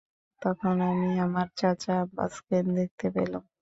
তখন আমি আমার চাচা আব্বাসকে দেখতে পেলাম।